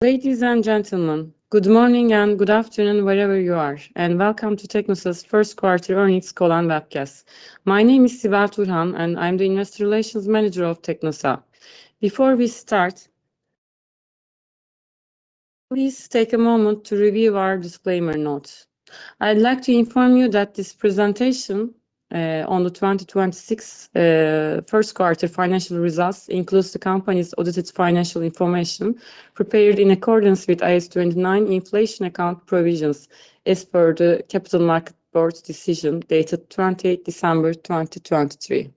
Ladies and gentlemen, good morning and good afternoon wherever you are, and welcome to Teknosa's first quarter earnings call and webcast. My name is Sibel Turhan, and I'm the Investor Relations Manager of Teknosa A.Ş. Before we start, please take a moment to review our disclaimer note. I'd like to inform you that this presentation on the 2026 first quarter financial results includes the company's audited financial information prepared in accordance with IAS 29 inflation account provisions as per the Capital Markets Board of Turkey decision dated 28 December, 2023.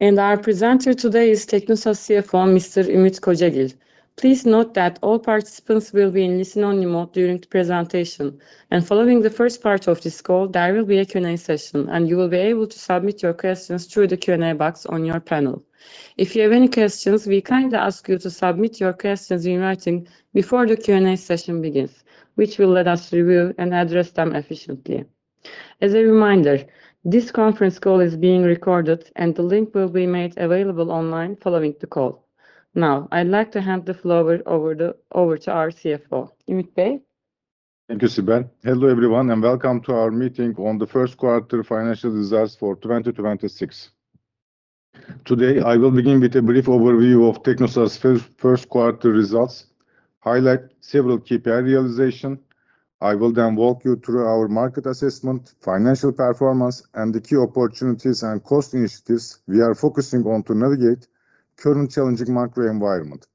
Our presenter today is Teknosa CFO, Mr. Ümit Kocagil. Please note that all participants will be in listen-only mode during the presentation. Following the first part of this call, there will be a Q&A session, and you will be able to submit your questions through the Q&A box on your panel. If you have any questions, we kindly ask you to submit your questions in writing before the Q&A session begins, which will let us review and address them efficiently. As a reminder, this conference call is being recorded, and the link will be made available online following the call. Now, I'd like to hand the floor over to our CFO, Ümit Bey. Thank you, Sibel. Hello, everyone, and welcome to our meeting on the first quarter financial results for 2026. Today, I will begin with a brief overview of Teknosa's first quarter results, highlight several key realization. I will walk you through our market assessment, financial performance, and the key opportunities and cost initiatives we are focusing on to navigate current challenging macro environment.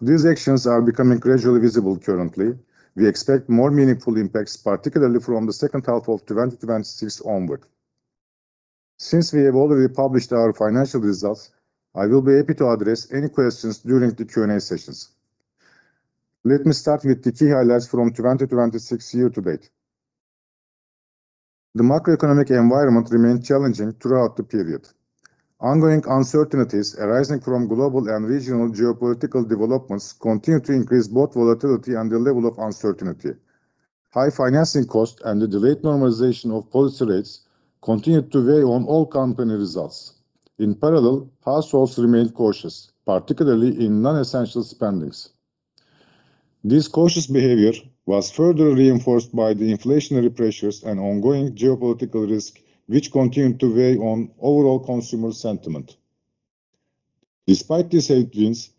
These actions are becoming gradually visible currently. We expect more meaningful impacts, particularly from the second half of 2026 onward. Since we have already published our financial results, I will be happy to address any questions during the Q&A sessions. Let me start with the key highlights from 2026 year-to-date. The macroeconomic environment remained challenging throughout the period. Ongoing uncertainties arising from global and regional geopolitical developments continued to increase both volatility and the level of uncertainty. High financing costs and the delayed normalization of policy rates continued to weigh on all company results. In parallel, households remained cautious, particularly in non-essential spendings. This cautious behavior was further reinforced by the inflationary pressures and ongoing geopolitical risk which continued to weigh on overall consumer sentiment. Despite these headwinds,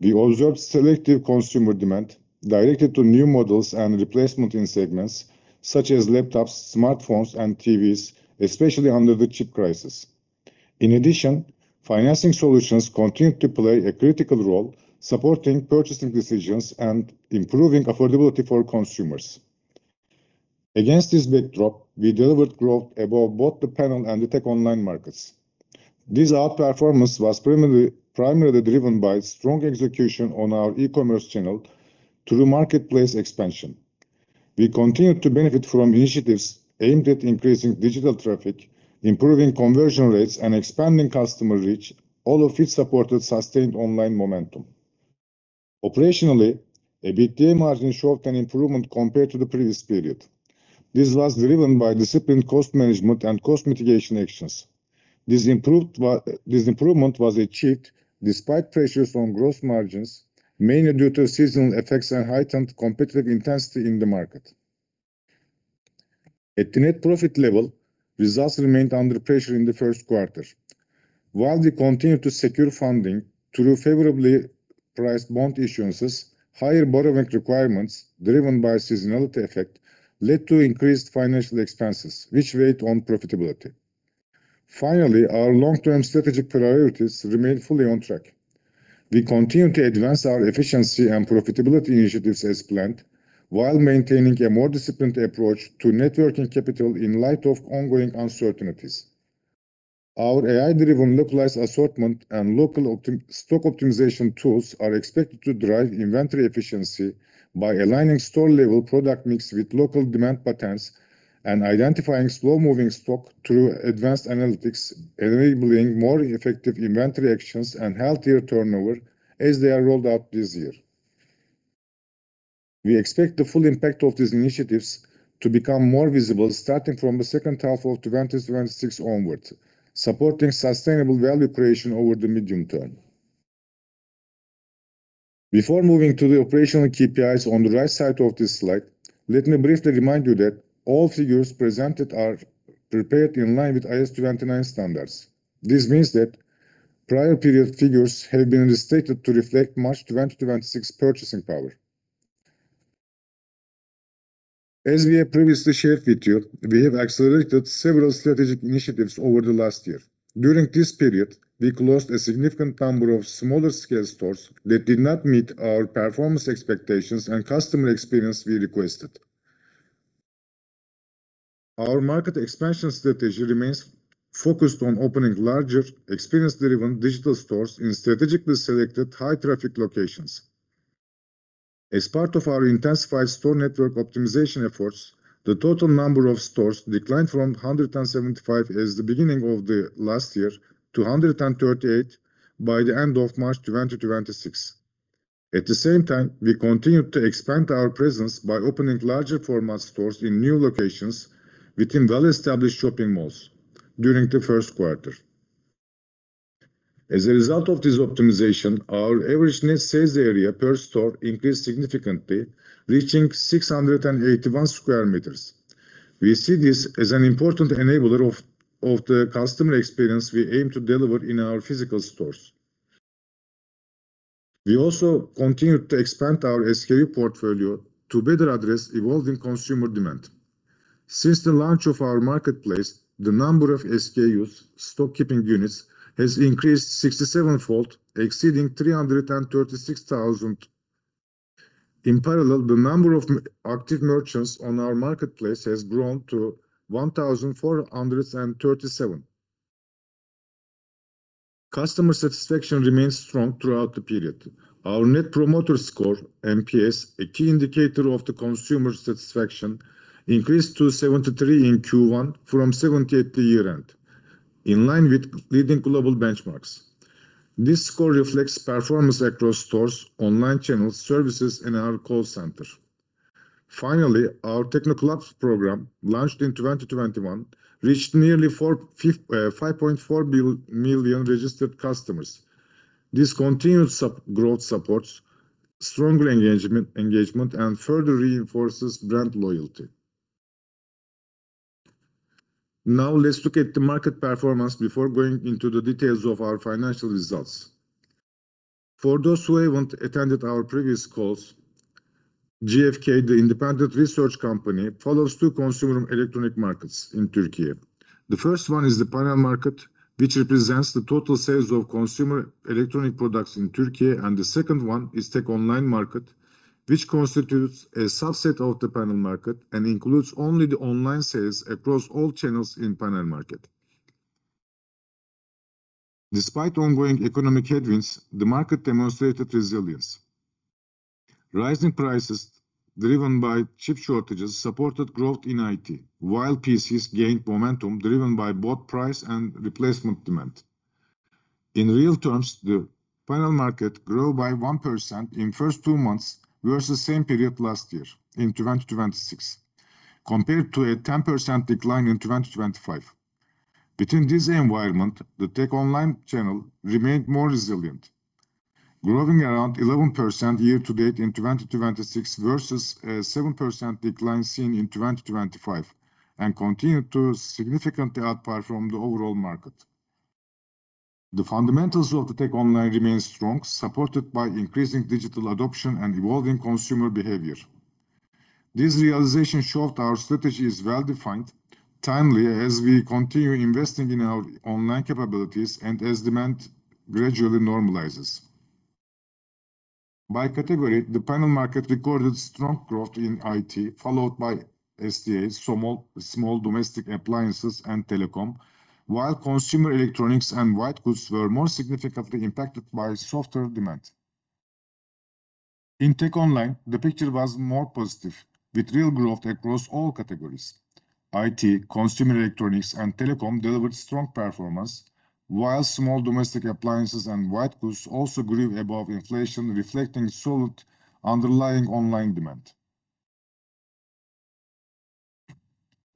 we observed selective consumer demand directed to new models and replacement in segments such as laptops, smartphones, and TVs, especially under the chip crisis. In addition, financing solutions continued to play a critical role, supporting purchasing decisions and improving affordability for consumers. Against this backdrop, we delivered growth above both the panel and the tech online markets. This outperformance was primarily driven by strong execution on our e-commerce channel through marketplace expansion. We continued to benefit from initiatives aimed at increasing digital traffic, improving conversion rates, and expanding customer reach, all of which supported sustained online momentum. Operationally, EBITDA margin showed an improvement compared to the previous period. This was driven by disciplined cost management and cost mitigation actions. This improvement was achieved despite pressures on gross margins, mainly due to seasonal effects and heightened competitive intensity in the market. At the net profit level, results remained under pressure in the first quarter. While we continued to secure funding through favorably priced bond issuances, higher borrowing requirements driven by seasonality effect led to increased financial expenses which weighed on profitability. Our long-term strategic priorities remain fully on track. We continue to advance our efficiency and profitability initiatives as planned, while maintaining a more disciplined approach to net working capital in light of ongoing uncertainties. Our AI-driven localized assortment stock optimization tools are expected to drive inventory efficiency by aligning store-level product mix with local demand patterns and identifying slow-moving stock through advanced analytics, enabling more effective inventory actions and healthier turnover as they are rolled out this year. We expect the full impact of these initiatives to become more visible starting from the second half of 2026 onwards, supporting sustainable value creation over the medium term. Before moving to the operational KPIs on the right side of this slide, let me briefly remind you that all figures presented are prepared in line with IAS 29 standards. This means that prior period figures have been restated to reflect March 2026 purchasing power. As we have previously shared with you, we have accelerated several strategic initiatives over the last year. During this period, we closed a significant number of smaller scale stores that did not meet our performance expectations and customer experience we requested. Our market expansion strategy remains focused on opening larger, experience-driven digital stores in strategically selected high-traffic locations. As part of our intensified store network optimization efforts, the total number of stores declined from 175 at the beginning of the last year to 138 by the end of March, 2026. At the same time, we continued to expand our presence by opening larger format stores in new locations within well-established shopping malls during the first quarter. As a result of this optimization, our average net sales area per store increased significantly, reaching 681 sq m. We see this as an important enabler of the customer experience we aim to deliver in our physical stores. We also continued to expand our SKU portfolio to better address evolving consumer demand. Since the launch of our marketplace, the number of SKUs, stock keeping units, has increased 67-fold, exceeding 336,000. In parallel, the number of active merchants on our marketplace has grown to 1,437. Customer satisfaction remains strong throughout the period. Our net promoter score, NPS, a key indicator of the consumer satisfaction, increased to 73 in Q1 from 70 at the year-end, in line with leading global benchmarks. This score reflects performance across stores, online channels, services, and our call center. Finally, our TeknoClub program, launched in 2021, reached nearly 5.4 million registered customers. This continued growth supports stronger engagement and further reinforces brand loyalty. Now let's look at the market performance before going into the details of our financial results. For those who haven't attended our previous calls, GfK, the independent research company, follows two consumer electronic markets in Turkey. The first one is the panel market, which represents the total sales of consumer electronic products in Turkey, and the second one is tech online market, which constitutes a subset of the panel market and includes only the online sales across all channels in panel market. Despite ongoing economic headwinds, the market demonstrated resilience. Rising prices driven by chip shortages supported growth in IT, while PCs gained momentum driven by both price and replacement demand. In real terms, the panel market grew by 1% in first two months versus same period last year in 2026, compared to a 10% decline in 2025. Between this environment, the tech online channel remained more resilient, growing around 11% year-to-date in 2026 versus a 7% decline seen in 2025 and continued to significantly outperform the overall market. The fundamentals of the tech online remains strong, supported by increasing digital adoption and evolving consumer behavior. This realization showed our strategy is well-defined, timely as we continue investing in our online capabilities and as demand gradually normalizes. By category, the panel market recorded strong growth in IT, followed by SDA, small domestic appliances and telecom, while consumer electronics and white goods were more significantly impacted by softer demand. In tech online, the picture was more positive, with real growth across all categories. IT, consumer electronics and telecom delivered strong performance, while small domestic appliances and white goods also grew above inflation, reflecting solid underlying online demand.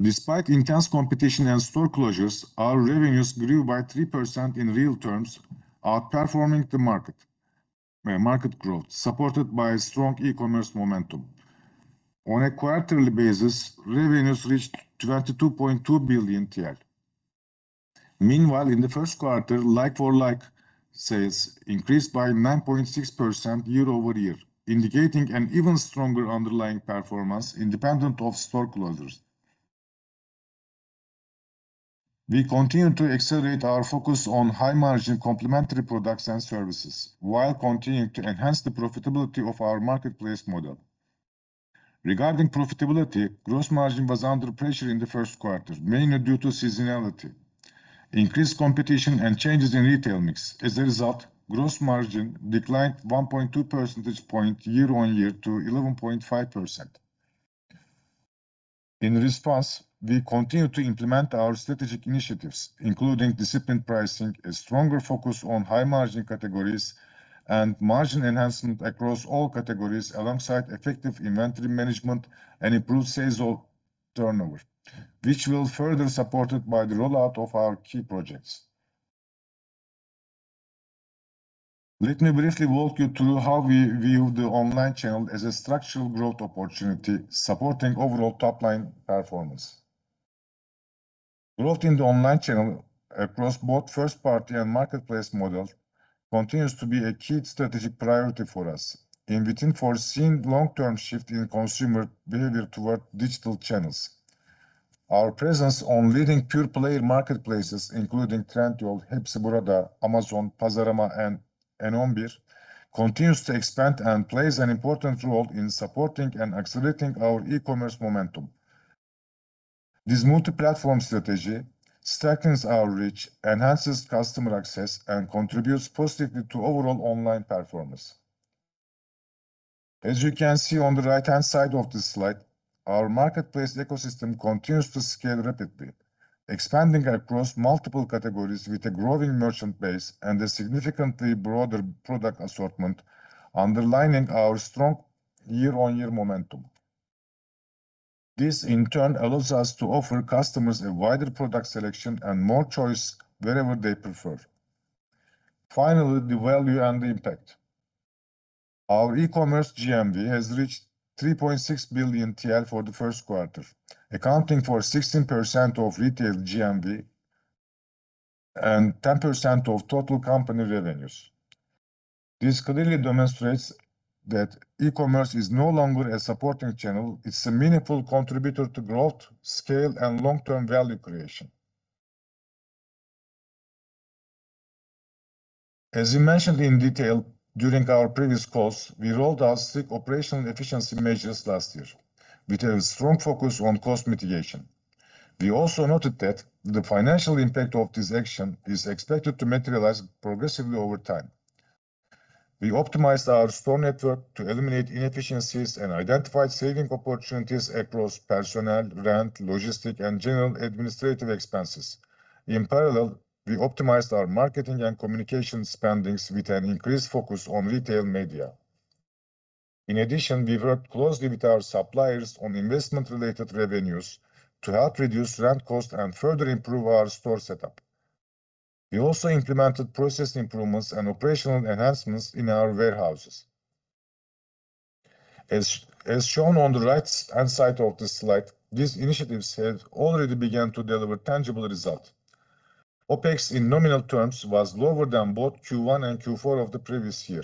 Despite intense competition and store closures, our revenues grew by 3% in real terms, outperforming the market growth, supported by strong e-commerce momentum. On a quarterly basis, revenues reached 22.2 billion TL. Meanwhile, in the first quarter, like for like sales increased by 9.6% year-over-year, indicating an even stronger underlying performance independent of store closures. We continue to accelerate our focus on high margin complementary products and services while continuing to enhance the profitability of our marketplace model. Regarding profitability, gross margin was under pressure in the first quarter, mainly due to seasonality, increased competition and changes in retail mix. As a result, gross margin declined 1.2 percentage point year-on-year to 11.5%. In response, we continue to implement our strategic initiatives, including disciplined pricing, a stronger focus on high margin categories and margin enhancement across all categories alongside effective inventory management and improved sales turnover, which will further supported by the rollout of our key projects. Let me briefly walk you through how we view the online channel as a structural growth opportunity supporting overall top-line performance. Growth in the online channel across both first party and marketplace models continues to be a key strategic priority for us in between foreseen long-term shift in consumer behavior toward digital channels. Our presence on leading pure play marketplaces, including Trendyol, Hepsiburada, Amazon, Pazarama, and n11.com, continues to expand and plays an important role in supporting and accelerating our e-commerce momentum. This multi-platform strategy strengthens our reach, enhances customer access, and contributes positively to overall online performance. As you can see on the right-hand side of this slide, our marketplace ecosystem continues to scale rapidly, expanding across multiple categories with a growing merchant base and a significantly broader product assortment, underlining our strong year-on-year momentum. This, in turn, allows us to offer customers a wider product selection and more choice wherever they prefer. Finally, the value and the impact. Our e-commerce GMV has reached 3.6 billion TL for the first quarter, accounting for 16% of retail GMV and 10% of total company revenues. This clearly demonstrates that e-commerce is no longer a supporting channel, it's a meaningful contributor to growth, scale, and long-term value creation. As we mentioned in detail during our previous calls, we rolled out strict operational efficiency measures last year with a strong focus on cost mitigation. We also noted that the financial impact of this action is expected to materialize progressively over time. We optimized our store network to eliminate inefficiencies and identified saving opportunities across personnel, rent, logistics, and general administrative expenses. In parallel, we optimized our marketing and communication spending with an increased focus on retail media. In addition, we worked closely with our suppliers on investment-related revenues to help reduce rent costs and further improve our store setup. We also implemented process improvements and operational enhancements in our warehouses. As shown on the right-hand side of the slide, these initiatives have already begun to deliver tangible results. OpEx in nominal terms was lower than both Q1 and Q4 of the previous year.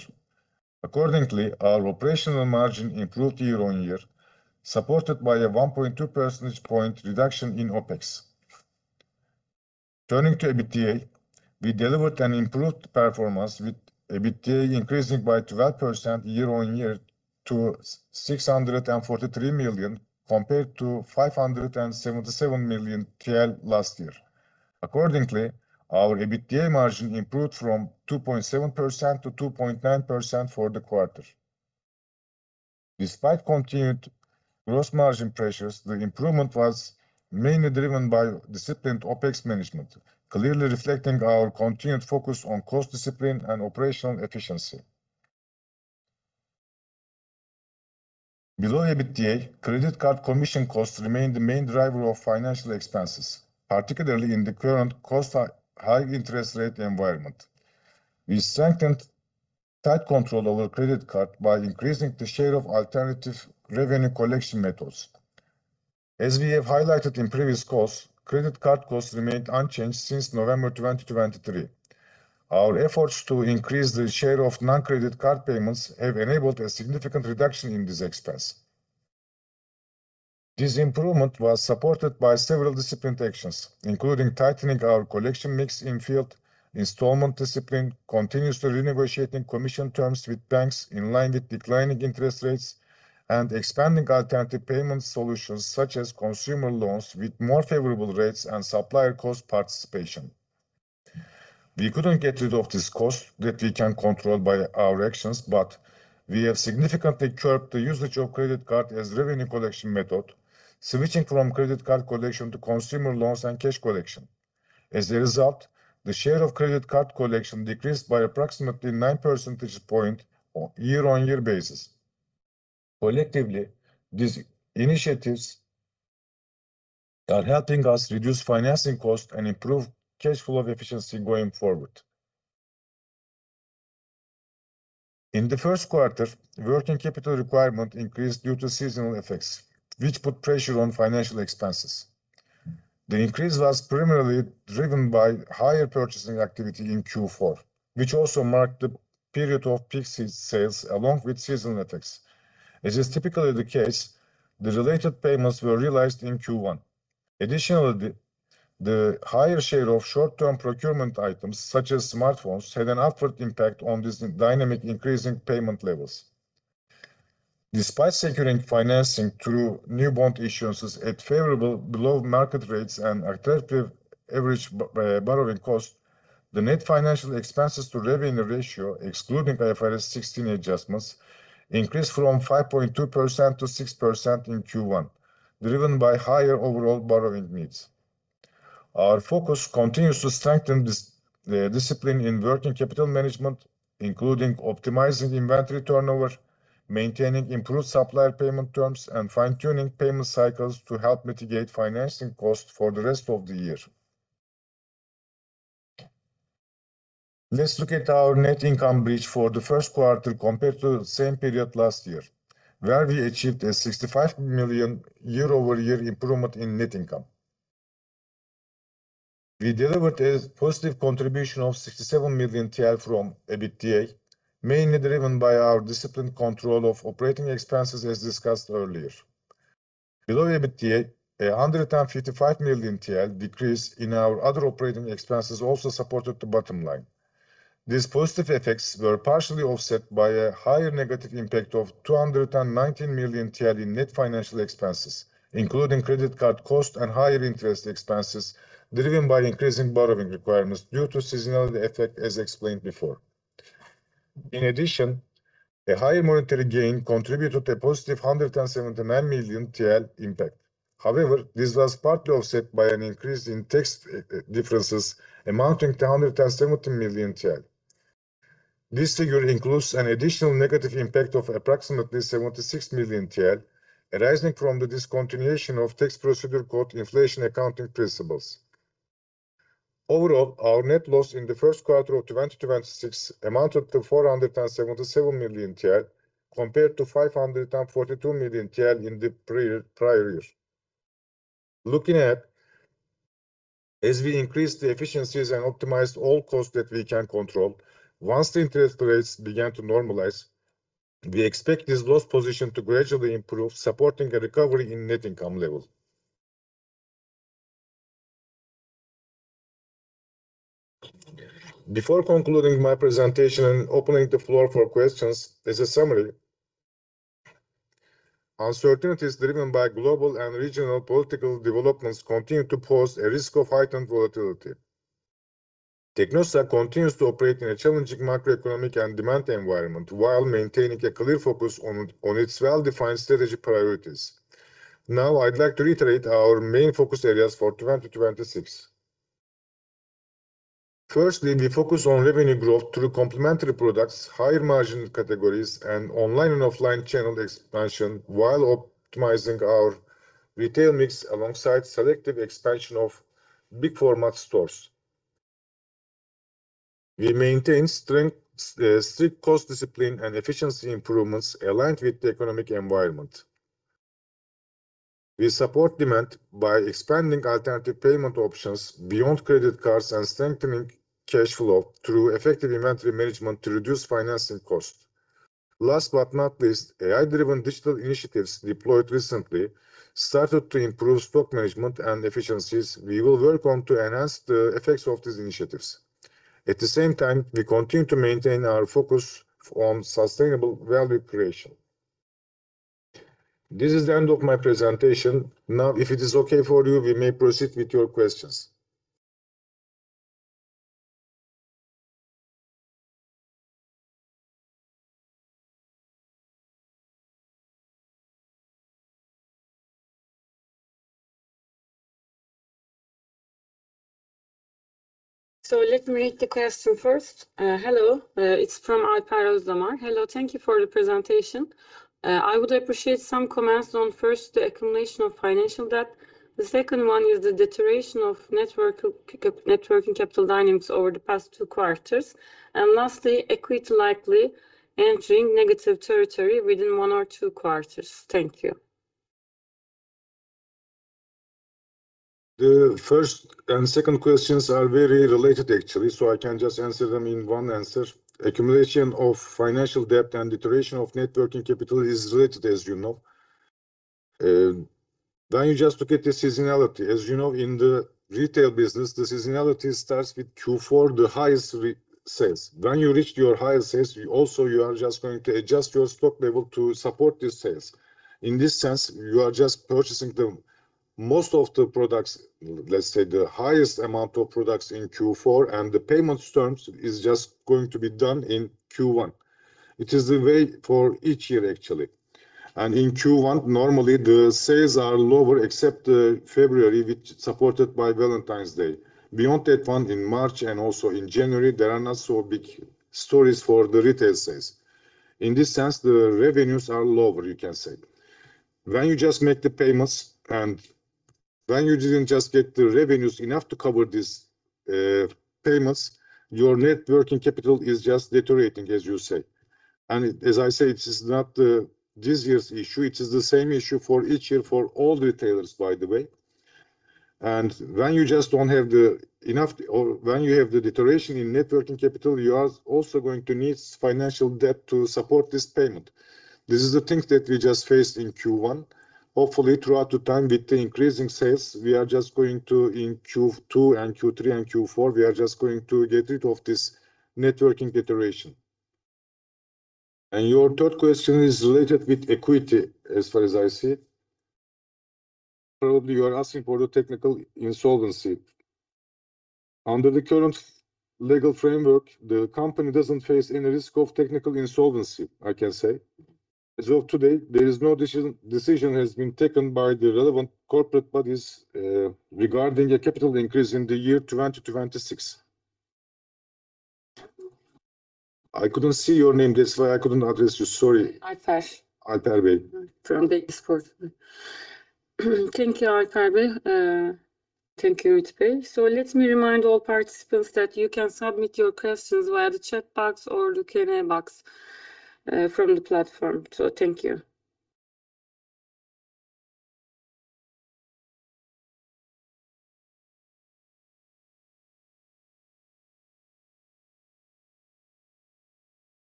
Our operational margin improved year-on-year, supported by a 1.2 percentage point reduction in OpEx. Turning to EBITDA, we delivered an improved performance with EBITDA increasing by 12% year-on-year to 643 million, compared to 577 million TL last year. Our EBITDA margin improved from 2.7% to 2.9% for the quarter. Despite continued gross margin pressures, the improvement was mainly driven by disciplined OpEx management, clearly reflecting our continued focus on cost discipline and operational efficiency. Below EBITDA, credit card commission costs remain the main driver of financial expenses, particularly in the current cost, high interest rate environment. We strengthened tight control over credit card by increasing the share of alternative revenue collection methods. As we have highlighted in previous calls, credit card costs remained unchanged since November 2023. Our efforts to increase the share of non-credit card payments have enabled a significant reduction in this expense. This improvement was supported by several disciplined actions, including tightening our collection mix in field, installment discipline, continuously renegotiating commission terms with banks in line with declining interest rates, and expanding alternative payment solutions such as consumer loans with more favorable rates and supplier cost participation. We couldn't get rid of this cost that we can control by our actions, but we have significantly curbed the usage of credit card as revenue collection method, switching from credit card collection to consumer loans and cash collection. As a result, the share of credit card collection decreased by approximately nine percentage point on year-over-year basis. Collectively, these initiatives are helping us reduce financing costs and improve cash flow of efficiency going forward. In the first quarter, working capital requirement increased due to seasonal effects, which put pressure on financial expenses. The increase was primarily driven by higher purchasing activity in Q4, which also marked the period of peak sales along with seasonal effects. As is typically the case, the related payments were realized in Q1. Additionally, the higher share of short-term procurement items, such as smartphones, had an upward impact on this dynamic increase in payment levels. Despite securing financing through new bond issuances at favorable below-market rates and attractive average borrowing costs, the net financial expenses to revenue ratio, excluding IFRS 16 adjustments, increased from 5.2% to 6% in Q1, driven by higher overall borrowing needs. Our focus continues to strengthen this discipline in working capital management, including optimizing inventory turnover, maintaining improved supplier payment terms, and fine-tuning payment cycles to help mitigate financing costs for the rest of the year. Let's look at our net income bridge for the first quarter compared to the same period last year, where we achieved a 65 million year-over-year improvement in net income. We delivered a positive contribution of 67 million TL from EBITDA, mainly driven by our disciplined control of operating expenses, as discussed earlier. Below EBITDA, a 155 million TL decrease in our other operating expenses also supported the bottom line. These positive effects were partially offset by a higher negative impact of 219 million in net financial expenses, including credit card costs and higher interest expenses driven by increasing borrowing requirements due to seasonality effect, as explained before. A higher monetary gain contributed a positive 179 million TL impact. This was partly offset by an increase in tax differences amounting to 170 million TL. This figure includes an additional negative impact of approximately 76 million TL arising from the discontinuation of tax procedure called inflation accounting principles. Overall, our net loss in the first quarter of 2026 amounted to 477 million TL compared to 542 million TL in the prior year. Looking at as we increase the efficiencies and optimize all costs that we can control, once the interest rates began to normalize, we expect this loss position to gradually improve, supporting a recovery in net income levels. Before concluding my presentation and opening the floor for questions, as a summary, uncertainties driven by global and regional political developments continue to pose a risk of heightened volatility. Teknosa continues to operate in a challenging macroeconomic and demand environment while maintaining a clear focus on its well-defined strategy priorities. I'd like to reiterate our main focus areas for 2026. Firstly, we focus on revenue growth through complementary products, higher margin categories, and online and offline channel expansion while optimizing our retail mix alongside selective expansion of big format stores. We maintain strict cost discipline and efficiency improvements aligned with the economic environment. We support demand by expanding alternative payment options beyond credit cards and strengthening cash flow through effective inventory management to reduce financing costs. Last but not least, AI-driven digital initiatives deployed recently started to improve stock management and efficiencies. We will work on to enhance the effects of these initiatives. At the same time, we continue to maintain our focus on sustainable value creation. This is the end of my presentation. Now, if it is okay for you, we may proceed with your questions. Let me read the question first. Hello, it's from Alper Ozdamar. Hello, thank you for the presentation. I would appreciate some comments on first the accumulation of financial debt. The second one is the deterioration of networking capital dynamics over the past two quarters. Lastly, equity likely entering negative territory within one or two quarters. Thank you. The first and second questions are very related actually. I can just answer them in one answer. Accumulation of financial debt and deterioration of networking capital is related, as you know. When you just look at the seasonality, as you know, in the retail business, the seasonality starts with Q4, the highest sales. When you reach your highest sales, you are just going to adjust your stock level to support these sales. In this sense, you are just purchasing the most of the products, let's say the highest amount of products in Q4. The payments terms is just going to be done in Q1. It is the way for each year actually. In Q1, normally the sales are lower except February, which is supported by Valentine's Day. Beyond that one, in March and also in January, there are not so big stories for the retail sales. In this sense, the revenues are lower, you can say. When you just make the payments and when you didn't just get the revenues enough to cover these payments, your networking capital is just deteriorating, as you say. As I say, it is not this year's issue. It is the same issue for each year for all retailers, by the way. When you just don't have the enough or when you have the deterioration in networking capital, you are also going to need financial debt to support this payment. This is the thing that we just faced in Q1. Hopefully, throughout the time with the increasing sales, we are just going to in Q2 and Q3 and Q4, we are just going to get rid of this networking deterioration. Your third question is related with equity, as far as I see. Probably you are asking for the technical insolvency. Under the current legal framework, the company doesn't face any risk of technical insolvency, I can say. As of today, there is no decision has been taken by the relevant corporate bodies regarding a capital increase in the year 2026. I couldn't see your name. That's why I couldn't address you. Sorry. Alper. Alper Bey. From [Expat]. Thank you, Alper Bey. Thank you, Ümit Bey. Let me remind all participants that you can submit your questions via the chat box or the Q&A box from the platform. Thank you.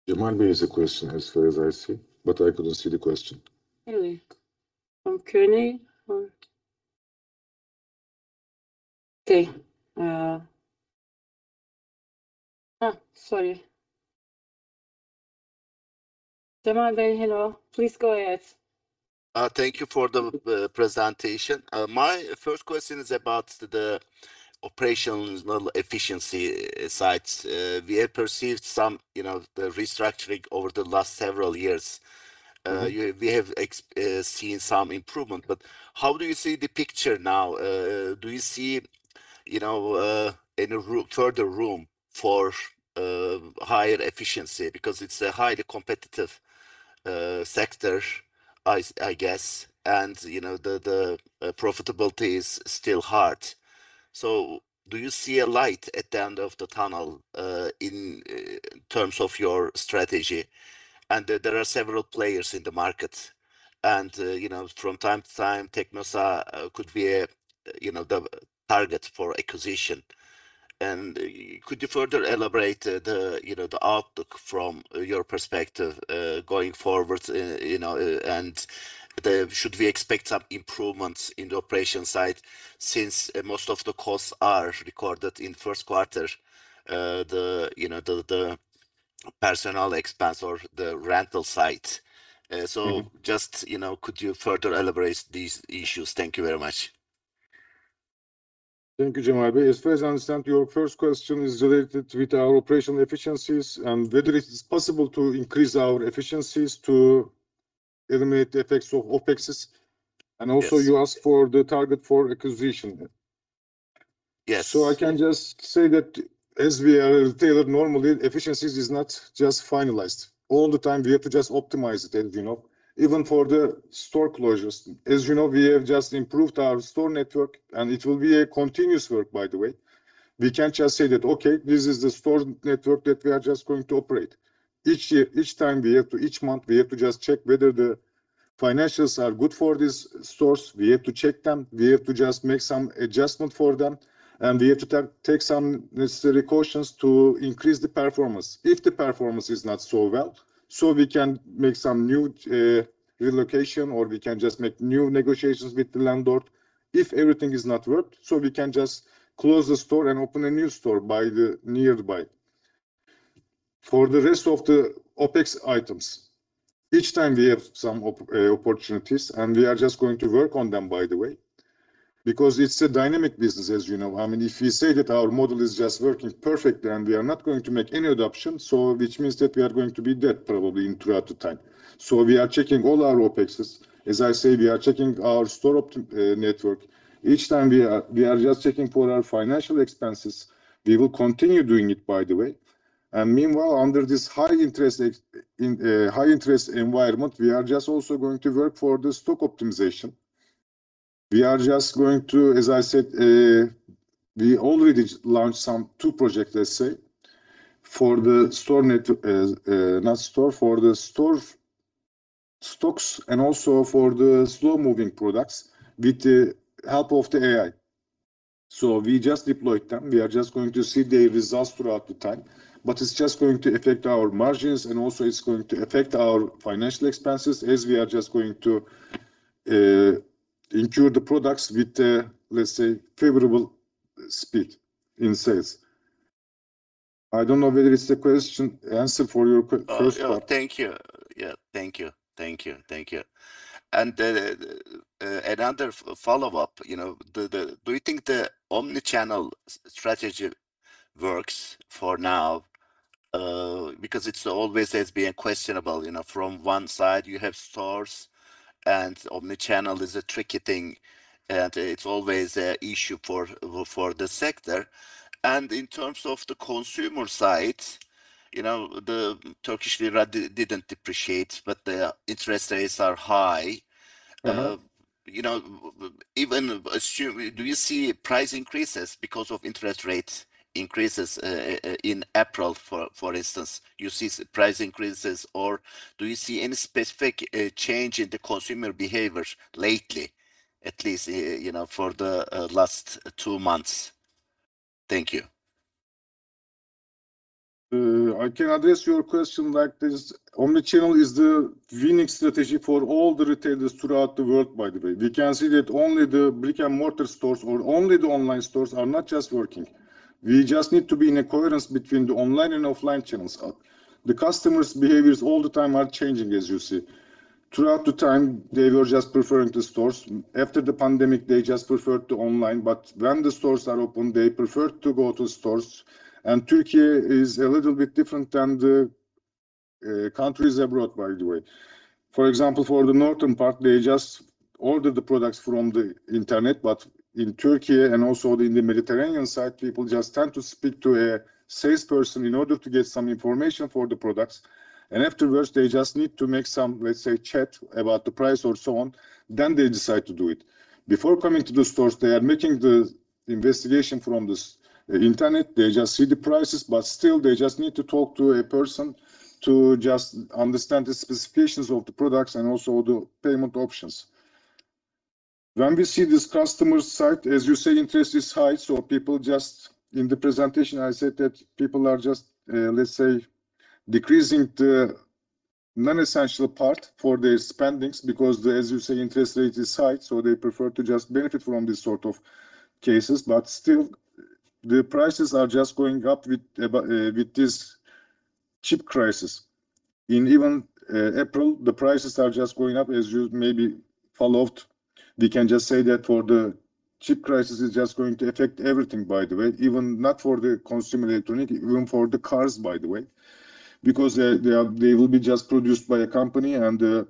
Cemal Bey has a question as far as I see, but I couldn't see the question. Really? From Q&A or? Okay. Sorry. Cemal Bey, hello. Please go ahead. Thank you for the presentation. My first question is about the operational efficiency side. We have perceived some, you know, the restructuring over the last several years. You, we have seen some improvement, but how do you see the picture now? Do you see, you know, any further room for higher efficiency because it's a highly competitive sector I guess, and, you know, the profitability is still hard. Do you see a light at the end of the tunnel in terms of your strategy? There are several players in the market, and, you know, from time to time, Teknosa could be a, you know, the target for acquisition. Could you further elaborate the, you know, the outlook from your perspective, going forward, you know, should we expect some improvements in the operation side since most of the costs are recorded in first quarter, you know, the personnel expense or the rental side? Just, you know, could you further elaborate these issues? Thank you very much. Thank you, Cemal Bey. As far as I understand, your first question is related with our operational efficiencies and whether it is possible to increase our efficiencies to eliminate the effects of OpExes. Yes. Also you ask for the target for acquisition. Yes. I can just say that as we are a retailer, normally efficiencies is not just finalized. All the time we have to just optimize it as you know. Even for the store closures. As you know, we have just improved our store network, and it will be a continuous work by the way. We can't just say that, "Okay, this is the store network that we are just going to operate." Each year, each time we have to, each month we have to just check whether the financials are good for these stores. We have to check them. We have to just make some adjustment for them, and we have to take some necessary cautions to increase the performance if the performance is not so well. We can make some new relocation, or we can just make new negotiations with the landlord if everything is not worked, we can just close the store and open a new store nearby. For the rest of the OpEx items, each time we have some opportunities, we are just going to work on them by the way because it's a dynamic business as you know. I mean, if we say that our model is just working perfectly we are not going to make any adaptation, which means that we are going to be dead probably in throughout the time. We are checking all our OpExes. As I say, we are checking our store network. Each time we are just checking for our financial expenses. We will continue doing it by the way. Meanwhile, under this high interest environment, we are just also going to work for the stock optimization. As I said, we already launched some two projects, let's say, for the store stocks and also for the slow-moving products with the help of AI. We just deployed them. We are just going to see the results throughout the time. It's just going to affect our margins, and also it's going to affect our financial expenses as we are just going to incur the products with a, let's say, favorable speed in sales. I don't know whether it's a question, answer for your first part. Oh, yeah. Thank you. Yeah. Thank you. Thank you. Thank you. Another follow-up, you know, do you think the omni-channel strategy works for now, because it's always as being questionable. You know, from one side you have stores, and omni-channel is a tricky thing, and it's always a issue for the sector. In terms of the consumer side, you know, the Turkish lira didn't depreciate, but the interest rates are high. You know, Do you see price increases because of interest rates increases in April for instance? You see price increases or do you see any specific change in the consumer behaviors lately, at least, you know, for the last two months? Thank you. I can address your question like this. Omni-channel is the winning strategy for all the retailers throughout the world, by the way. We can see that only the brick-and-mortar stores or only the online stores are not just working. We just need to be in accordance between the online and offline channels. The customers' behaviors all the time are changing, as you see. Throughout the time, they were just preferring the stores. After the pandemic, they just preferred the online. When the stores are open, they prefer to go to stores. Turkey is a little bit different than the countries abroad, by the way. For example, for the northern part, they just order the products from the internet. In Turkey and also in the Mediterranean side, people just tend to speak to a salesperson in order to get some information for the products. Afterwards they just need to make some, let's say, chat about the price or so on, then they decide to do it. Before coming to the stores, they are making the investigation from this internet. They just see the prices, but still they just need to talk to a person to just understand the specifications of the products and also the payment options. When we see this customer side, as you say, interest is high. In the presentation I said that people are just, let's say, decreasing the non-essential part for their spendings because the, as you say, interest rate is high, so they prefer to just benefit from these sort of cases. Still. The prices are just going up with this chip crisis. In even, April, the prices are just going up as you maybe followed. We can just say that for the chip crisis is just going to affect everything, by the way. Even not for the consumer electronics, even for the cars, by the way. They will be just produced by a company and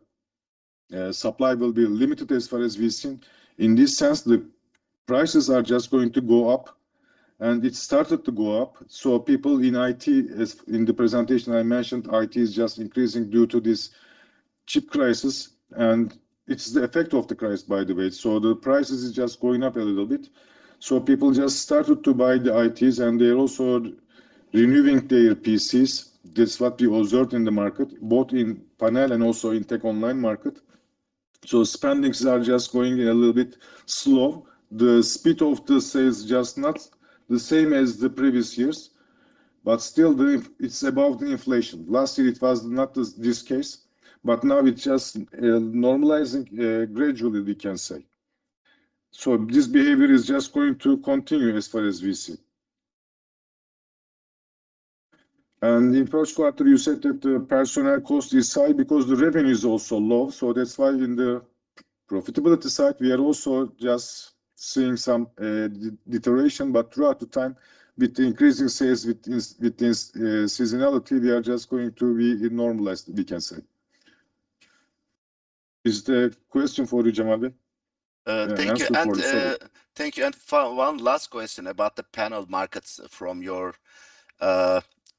supply will be limited as far as we've seen. In this sense, the prices are just going to go up, and it started to go up. People in IT, as in the presentation I mentioned, IT is just increasing due to this chip crisis, and it's the effect of the crisis, by the way. The prices is just going up a little bit. People just started to buy the ITs, and they're also removing their PCs. That's what we observed in the market, both in panel and also in tech online market. Spendings are just going a little bit slow. The speed of the sales just not the same as the previous years, but still it's above the inflation. Last year it was not this case, but now it's just normalizing gradually we can say. This behavior is just going to continue as far as we see. In first quarter, you said that the personnel cost is high because the revenue is also low. That's why in the profitability side we are also just seeing some deterioration. Throughout the time, with increasing sales, with this seasonality, we are just going to be normalized, we can say. Is there a question for you, Cemal Bey? Thank you. An answer for yourself. thank you, and one last question about the panel markets. From your,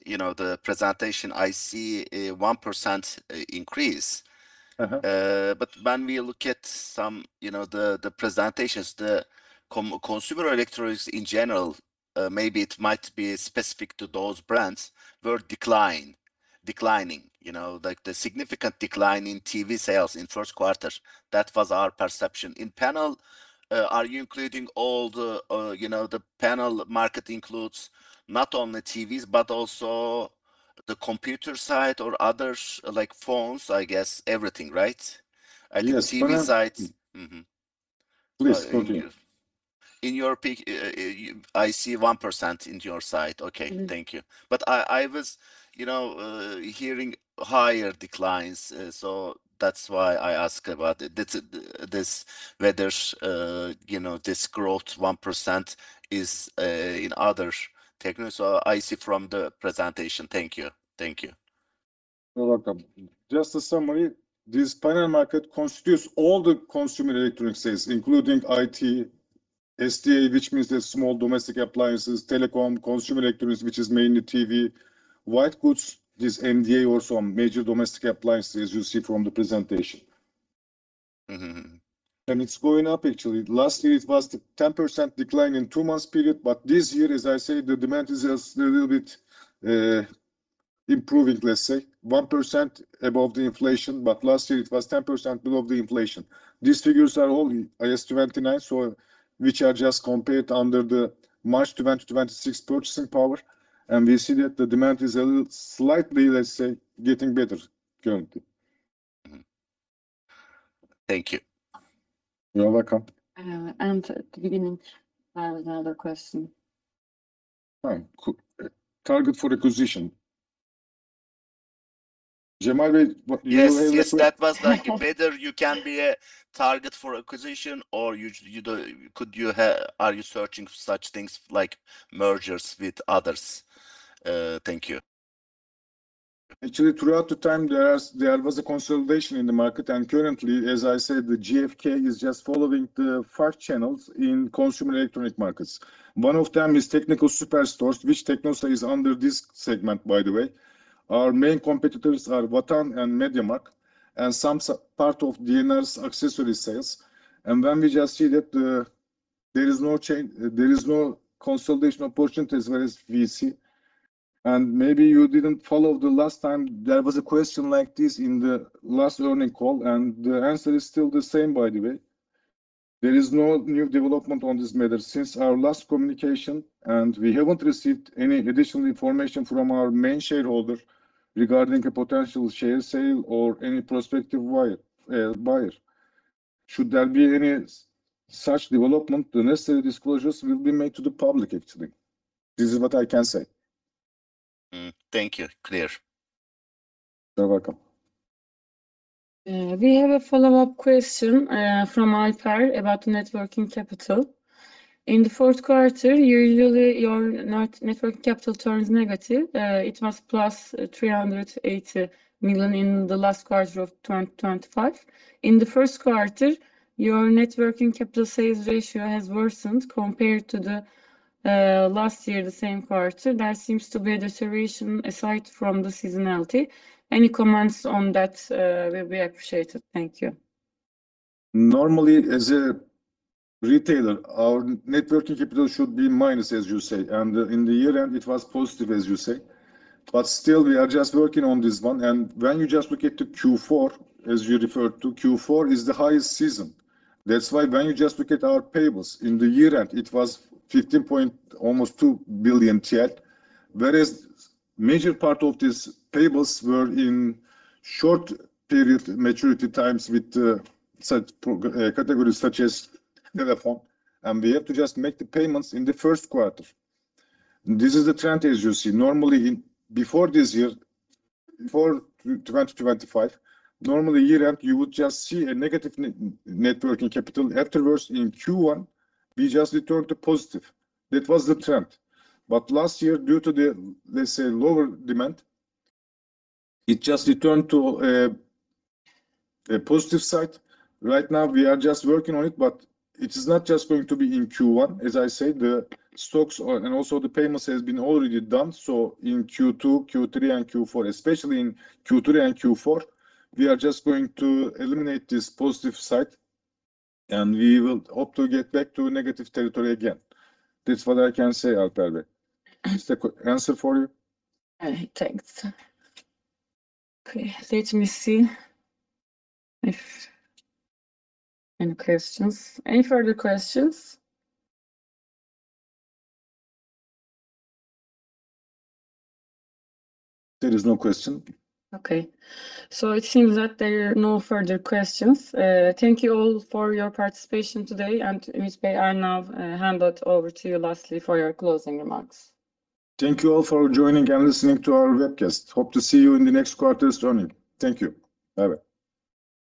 you know, the presentation, I see a 1% increase. Uh-huh. When we look at some, you know, the presentations, the consumer electronics in general, maybe it might be specific to those brands, were declining. You know, like the significant decline in TV sales in first quarter. That was our perception. In panel, are you including all the, you know, the panel market includes not only TVs but also the computer side or others, like phones, I guess. Everything, right? Yes. TV side. Please continue. In your I see 1% in your side. Thank you. I was, you know, hearing higher declines, so that's why I ask about it. That's this whether's, you know, this growth 1% is in other tech. I see from the presentation. Thank you. Thank you. You're welcome. Just a summary, this panel market constitutes all the consumer electronic sales, including IT, SDA, which means the small domestic appliances, telecom, consumer electronics, which is mainly TV, white goods, this MDA also, major domestic appliances you see from the presentation. Mm-hmm. It's going up actually. Last year it was the 10% decline in two months period, this year, as I say, the demand is just a little bit improving, let's say. 1% above the inflation, last year it was 10% below the inflation. These figures are all IAS 29, which are just compared under the March 2026 purchasing power, we see that the demand is a little slightly, let's say, getting better currently. Thank you. You're welcome. At the beginning, I have another question. Fine. target for acquisition, Cemal Bey, what you have said? Yes, yes, that was like whether you can be a target for acquisition or are you searching such things like mergers with others? Thank you. Actually, throughout the time there was a consolidation in the market. Currently, as I said, the GfK is just following the 5 channels in consumer electronic markets. One of them is technical superstores, which Teknosa is under this segment, by the way. Our main competitors are Vatan and MediaMarkt, and some part of D&R's accessory sales. When we just see that, there is no change, there is no consolidation opportunity as far as we see. Maybe you didn't follow the last time, there was a question like this in the last earning call. The answer is still the same, by the way. There is no new development on this matter since our last communication. We haven't received any additional information from our main shareholder regarding a potential share sale or any prospective buyer. Should there be any such development, the necessary disclosures will be made to the public actually. This is what I can say. Thank you. Clear. You're welcome. We have a follow-up question from Alper about the net working capital. In the fourth quarter, usually your net working capital turns negative. It was plus 380 million in the last quarter of 2025. In the first quarter, your net working capital sales ratio has worsened compared to the last year, the same quarter. There seems to be a deterioration aside from the seasonality. Any comments on that will be appreciated. Thank you. As a retailer, our net working capital should be minus, as you say. In the year end, it was positive, as you say. Still, we are just working on this one. When you just look at the Q4, as you referred to, Q4 is the highest season. That's why when you just look at our payables, in the year end it was 15.2 billion TL, whereas major part of these payables were in short period maturity times with categories such as Vodafone, and we have to just make the payments in the first quarter. This is the trend, as you see. Before this year, before 2025, normally year end you would just see a negative networking capital. Afterwards, in Q1, we just returned to positive. That was the trend. Last year, due to the, let's say, lower demand, it just returned to a positive side. Right now we are just working on it, but it is not just going to be in Q1. As I said, the stocks are, and also the payments has been already done. In Q2, Q3, and Q4, especially in Q3 and Q4, we are just going to eliminate this positive side, and we will hope to get back to negative territory again. That's what I can say, Alper Bey. Is that answer for you? Thanks. Let me see if any questions. Any further questions? There is no question. Okay. It seems that there are no further questions. Thank you all for your participation today. Ümit Bey, I now hand it over to you lastly for your closing remarks. Thank you all for joining and listening to our webcast. Hope to see you in the next quarter's earnings. Thank you. Bye-bye.